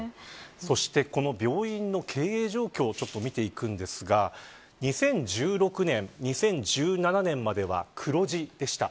そしてこの病院の経営状況をちょっと見ていくんですが２０１６年、２０１７年までは黒字でした。